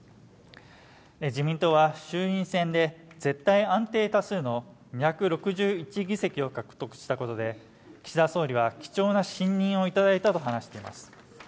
自民党は衆院選で絶対安定多数の２６１議席を獲得したことで岸田総理は貴重な信任を頂いたと話しています